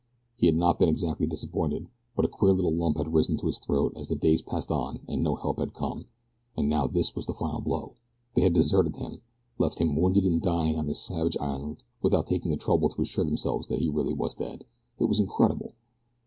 He had not been exactly disappointed, but a queer little lump had risen to his throat as the days passed and no help had come, and now this was the final blow. They had deserted him! Left him wounded and dying on this savage island without taking the trouble to assure themselves that he really was dead! It was incredible!